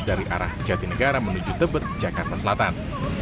dari arah jati negara menuju tebet jakarta selatan